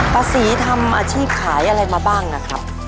ป้าศรีทำอาชีพขายอะไรมาบ้างนะครับ